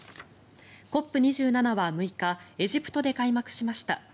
ＣＯＰ２７は６日エジプトで開幕しました。